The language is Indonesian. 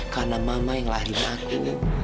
karena mama yang lahirin aku